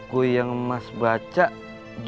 kau mau skr perpetakt